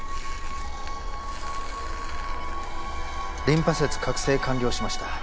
リンパ節郭清完了しました。